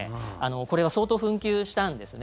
これは相当紛糾したんですね。